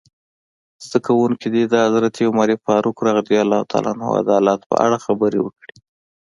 زده کوونکي دې د حضرت عمر فاروق رض عدالت په اړه خبرې وکړي.